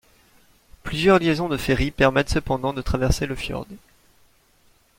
Plusieurs liaisons de ferry permettent cependant de traverser le fjord.